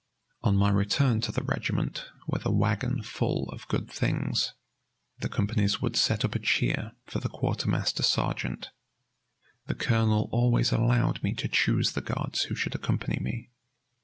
On my return to the regiment with a wagon full of good things, the companies would set up a cheer for the quartermaster sergeant. The colonel always allowed me to choose the guards who should accompany me.